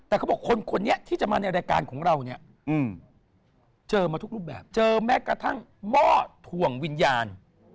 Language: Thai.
แต่เขาบอกคนนี้ที่จะมาในรายการของเราเนี่ยเจอมาทุกรูปแบบเจอแม้กระทั่งหม้อถ่วงวิญญาณ